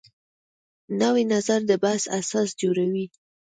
نوی نظر د بحث اساس جوړوي